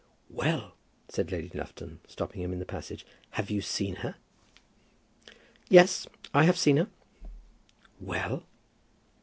"Well!" said Lady Lufton, stopping him in the passage, "have you seen her?" "Yes; I have seen her." "Well?"